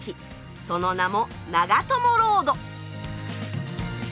その名も長友ロード。